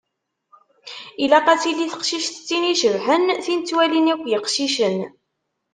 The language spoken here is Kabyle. Ilaq ad tili teqcict d tin icebḥen, tin ttwalin akk yiqcicen.